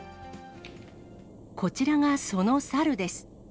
こちらがその猿です。